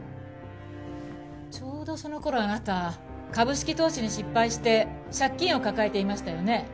ちょうどその頃あなた株式投資に失敗して借金を抱えていましたよね？